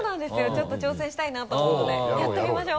ちょっと挑戦したいなと思うのでやってみましょう。